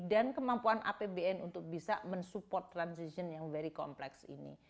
dan kemampuan apbn untuk bisa support transition yang very complex ini